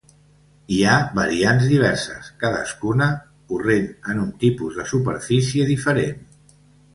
Hi ha variants diverses, cadascuna corrent en un tipus de superfície diferent.